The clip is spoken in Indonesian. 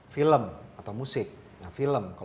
film atau musik